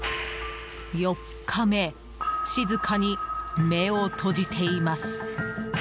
４日目、静かに目を閉じています。